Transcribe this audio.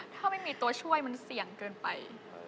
ถ้าไม่มีตัวช่วยมันเสี่ยงเกินไป